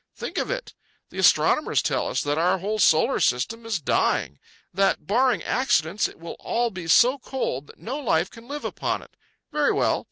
Think of it! The astronomers tell us that our whole solar system is dying; that, barring accidents, it will all be so cold that no life can live upon it. Very well.